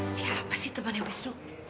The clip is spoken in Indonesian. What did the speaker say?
siapa sih temannya wisnu